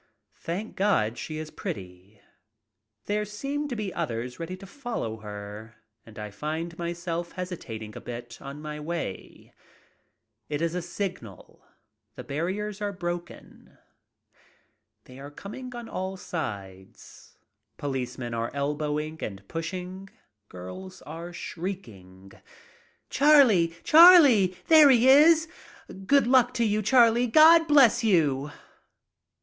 Thank God, she is pretty. There seem to be others ready to follow her, and I find my self hesitating a bit on my way. It is a signal. The barriers are broken. They are coming on all sides. Policemen are elbowing and pushing. Girls are shrieking. "Charlie! Charlie! There he is! Good luck to you, Charlie. God bless you."